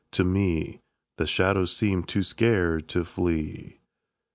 To me The shadows seem too scared to flee.